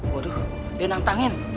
waduh dia nantangin